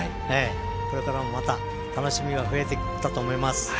これからもまた楽しみが増えてきたと思います。